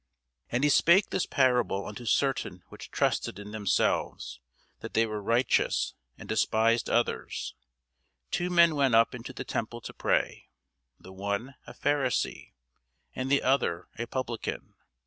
And he spake this parable unto certain which trusted in themselves that they were righteous, and despised others: two men went up into the temple to pray; the one a Pharisee, and the other a publican.